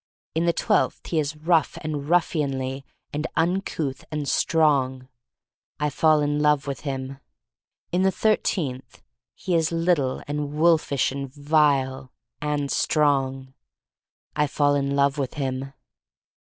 In the twelfth he is rough and ruffianly and uncouth — and strong. I fall in love with him. In the thirteenth he is little and wolf ish and vile — and strong. I fall in love with him.